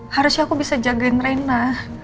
harusnya aku bisa jagain rena